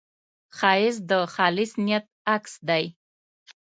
ښایست د خالص نیت عکس دی